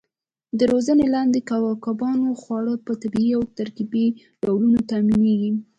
د روزنې لاندې کبانو خواړه په طبیعي او ترکیبي ډولونو تامینېږي.